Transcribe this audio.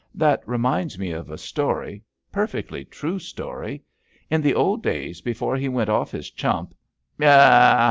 That reminds me of a story — ^per fectly true story. In the old days, before he went off his chump "Yah h h!